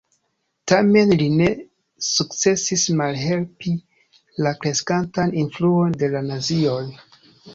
Tamen li ne sukcesis malhelpi la kreskantan influon de la nazioj.